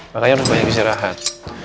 makanya harus banyak istirahat